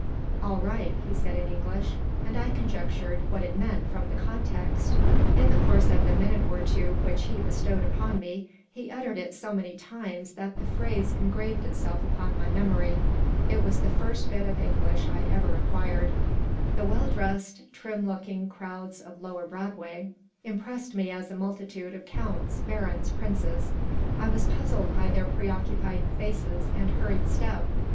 "All right" he said in English, and I conjectured what it meant from the context. In the course of the minute or two which he bestowed upon me he uttered it so many times that the phrase engraved itself upon my memory. It was the first bit of English I ever acquired The well dressed, trim looking crowds of lower Broadway impressed me as a multitude of counts, barons, princes. I was puzzled by their preoccupied faces and hurried step.